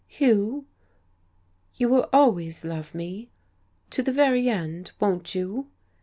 "Hugh, you will always love me to the very end, won't you?"